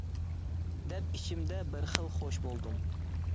دەپ ئىچىمدە بىر خىل خوش بولدۇم.